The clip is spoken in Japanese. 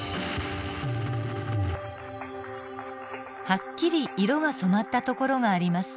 はっきり色が染まったところがあります。